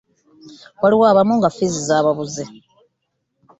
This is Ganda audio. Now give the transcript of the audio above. Waliwo abamu nga ffiizi zaabuze.